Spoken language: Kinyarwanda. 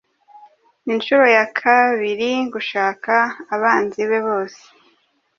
inshuro ya kabirigushaka abanzi be bose